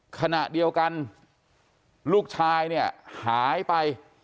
ขณะเดียวกันลูกชายเนี่ยหายไป